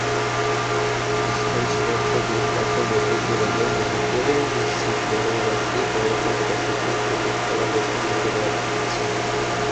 স্থলসীমান্ত bill পাসের মধ্য দিয়ে বাংলাদেশ-ভারতের ছিটমহলবাসীর কয়েক দশকের প্রতীক্ষার অবসান হতে যাচ্ছে।